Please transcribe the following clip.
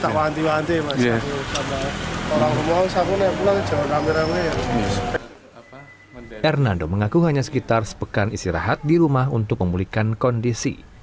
hernando mengaku hanya sekitar sepekan istirahat di rumah untuk memulihkan kondisi